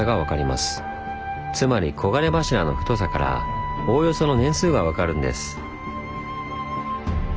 つまり黄金柱の太さからおおよその年数が分かるんです。